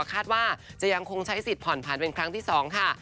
คาดว่าจะยังคงใช้สิทธิผ่อนผันเป็นครั้งที่๒ค่ะ